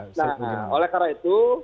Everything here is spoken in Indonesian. nah oleh karena itu